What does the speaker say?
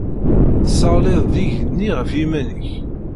Tesseɣliḍ-d igenni ɣef yiman-ik.